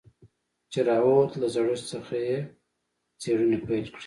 چې راووت له زړښت څخه يې څېړنې پيل کړې.